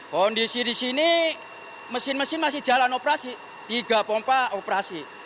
kondisi di sini mesin mesin masih jalan operasi tiga pompa operasi